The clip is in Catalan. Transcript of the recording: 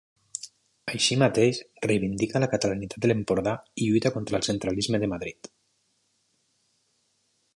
Així mateix, reivindica la catalanitat de l'Empordà i lluita contra el centralisme de Madrid.